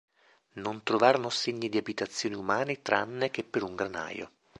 Non trovarono segni di abitazioni umane tranne che per un granaio.